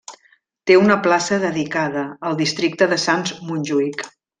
Té una plaça dedicada al districte de Sants-Montjuïc.